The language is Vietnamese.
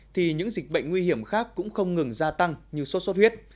thì những dịch bệnh nguy hiểm khác cũng không ngừng gia tăng như sốt sốt huyết